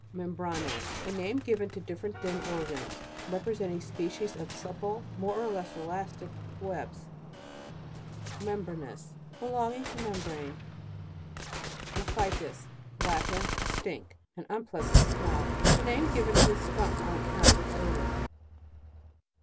MEMRRANE. A name given to different thin organs, representing species of supple, more or less elastic, webs. MEMBRANOUS. Belonging to mem brane. MEPHITIS. Latin. A stink, an un pleasant smell. The name given to the skunk on account of its odour.